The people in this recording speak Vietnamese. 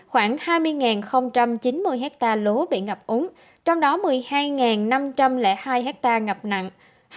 khoảng hai mươi chín mươi hectare lúa bị ngập úng trong đó một mươi hai năm trăm linh hai hectare ngập nặng